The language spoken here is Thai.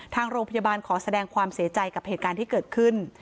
ทางโรงพยาบาลขอแสดงความเสียใจกับเหตุการณ์ที่เกิดขึ้น